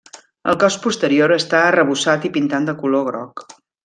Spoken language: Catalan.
El cos posterior està arrebossat i pintat de color groc.